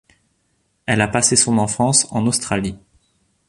Elle a passé son enfance en Australie.